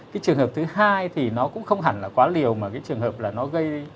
cái trường hợp thứ hai thì nó cũng không hẳn là quá liều mà cái trường hợp là nó gây